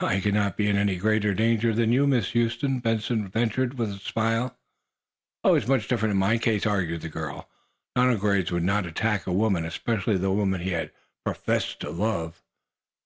"I cannot be in any greater danger than you are, Miss Huston," Benson ventured, with a smile. "Oh, it is much different in my case," argued the girl. "Donald Graves would not attack a woman, especially the woman he had professed to love."